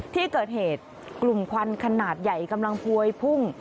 ที่เกิดเหตุกลุ่มควันขนาดใหญ่กำลังพวยพุ่ง